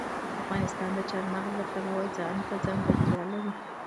افغانستان د چار مغز د پلوه ځانته ځانګړتیا لري.